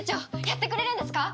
やってくれるんですか？